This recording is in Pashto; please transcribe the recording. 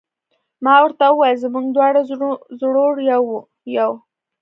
ما ورته وویل: موږ دواړه زړور یو.